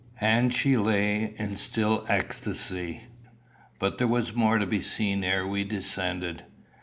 And she lay in still ecstasy. But there was more to be seen ere we descended.